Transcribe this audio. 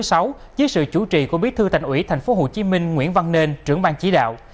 dưới sự chủ trì của bí thư thành ủy tp hcm nguyễn văn nên trưởng ban chí đạo